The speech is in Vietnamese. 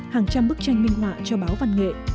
hàng trăm bức tranh minh họa cho báo văn nghệ